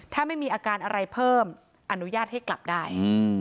ถ้าไม่มีอาการอะไรเพิ่มอนุญาตให้กลับได้